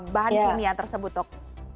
bahan kimia tersebut dok